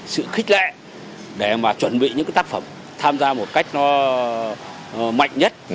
sự khích lệ để mà chuẩn bị những tác phẩm tham gia một cách nó mạnh nhất